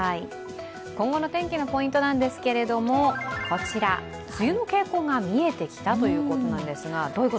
今後の天気のポイントなんですけれども、こちら梅雨の傾向が見えてきた？ということなんですが。